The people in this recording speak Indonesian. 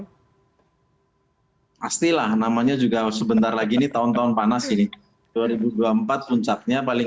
hai pastilah namanya juga sebentar lagi ini tahun tahun panas ini dua ribu dua puluh empat puncaknya paling